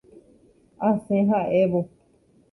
Asẽ ha'évo.